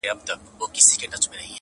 ما دي د کوثر په نوم د زهرو جام چښلی دی٫